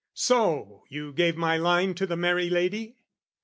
"So, you gave my line "To the merry lady?"